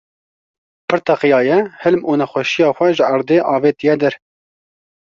pir teqiyaye, hilm û nexweşiya xwe ji erdê avitiye der